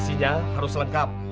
isinya harus lengkap